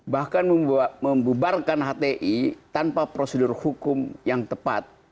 bahkan membubarkan hti tanpa prosedur hukum yang tepat